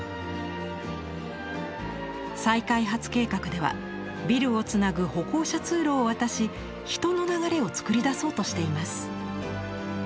再開発計画ではビルをつなぐ歩行者通路を渡し人の流れをつくり出そうとしています。